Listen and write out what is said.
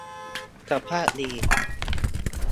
สภาพดี